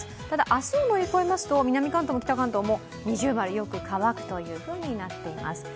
ただ、明日を乗り越えますと南関東も北関東も◎、よく乾くというふうになっています。